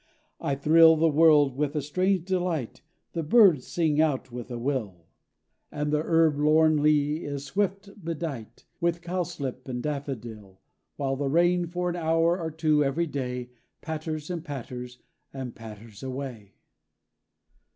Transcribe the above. I thrill the world with a strange delight; The birds sing out with a will, And the herb lorn lea is swift bedight With cowslip and daffodil; While the rain for an hour or two every day Patters and patters and patters away.